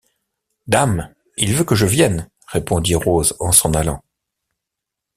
Dame! il veut que je vienne, répondit Rose en s’en allant.